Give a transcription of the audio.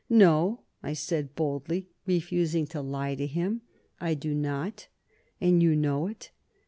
"No," I said boldly, refusing to lie to him. "I do not, and you know it."